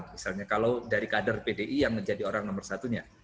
misalnya kalau dari kader pdi yang menjadi orang nomor satunya